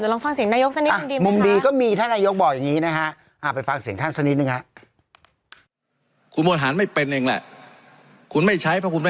แต่ลองฟังเสียงนายกสักนิดมันดีไหมคะ